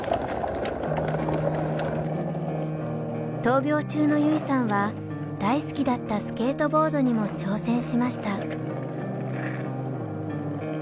闘病中の優生さんは大好きだったスケートボードにも挑戦しました。